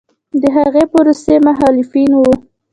د هغې پروسې مخالفین و